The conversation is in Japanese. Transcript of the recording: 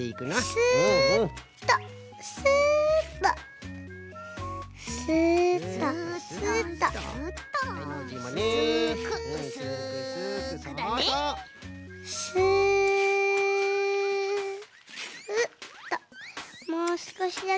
よし！